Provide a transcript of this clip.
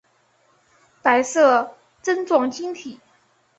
白色针状晶体。